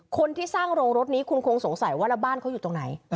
คนที่สร้างโรงรถนี้คุณคงสงสัยว่าแล้วบ้านเขาอยู่ตรงไหน